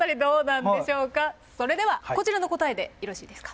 それではこちらの答えでよろしいですか？